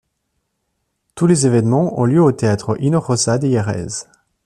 Tous les événements ont eu lieu au Théâtre Hinojosa de Jerez.